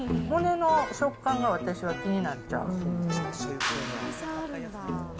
骨の食感が、私は気になっちゃう。